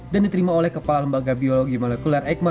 dan diterima oleh kepala lembaga biologi molekuler